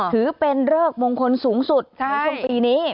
ถือเป็นเริกมงคลสูงสุดในช่วงปีนี้